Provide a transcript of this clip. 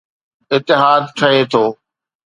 اتحاد ٺھي ٿو.